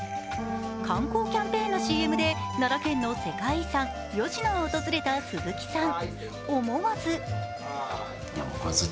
観光キャンペーンのＣＭで奈良県の世界遺産・吉野を訪れた鈴木さん。